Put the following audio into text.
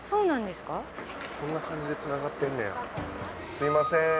すみません。